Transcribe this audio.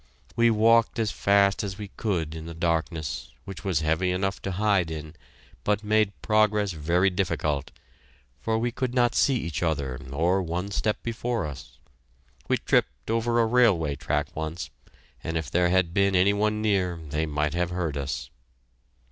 We walked as fast as we could in the darkness, which was heavy enough to hide in, but made progress very difficult, for we could not see each other or one step before us. We tripped over a railway track once, and if there had been any one near they might have heard us.